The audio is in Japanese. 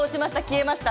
消えました。